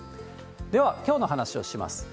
では、きょうの話をします。